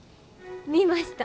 見ました。